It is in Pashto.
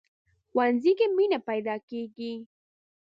ښوونځی کې مینه پيداکېږي